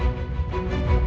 aku disini rati